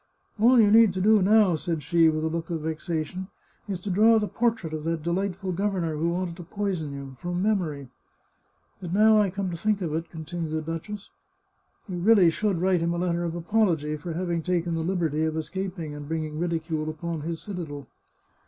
" All you need do now," said she, with a look of vexation, " is to draw the portrait of that delightful governor who wanted to poison you, from memory. But now I come to think of it," continued the duchess, " you really should write him a letter of apology for having taken the liberty of escap ing and bringing ridicule upon his citadel."